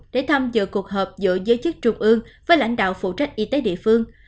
để thăm dựa cuộc hợp giữa giới chức trung ương với lãnh đạo phụ trách y tế địa phương